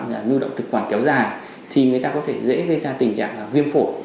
như là nưu động thực quản kéo dài thì người ta có thể dễ gây ra tình trạng viêm phổ